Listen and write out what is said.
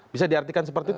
bisa diartikan seperti itu